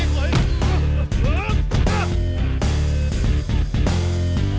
ini ke mana teh